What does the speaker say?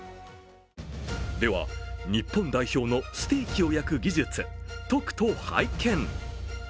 では、日本代表のステーキを焼く技術、とくと拝見。